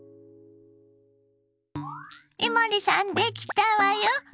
伊守さんできたわよ。